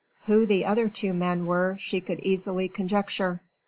Who the other two men were she could easily conjecture.